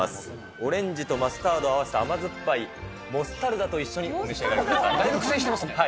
オレンジとマスタードを合わせた甘酸っぱいモスタルダと一緒におだいぶ苦戦してますね。